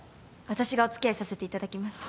私がお付き合いさせていただきます。